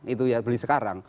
itu ya beli sekarang